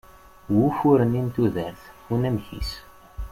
Wufur-nni n tudert, unamek-is